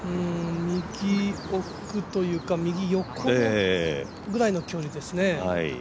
右奥というか、右横ぐらいの距離ですね。